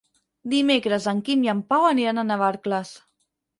Dimecres en Quim i en Pau aniran a Navarcles.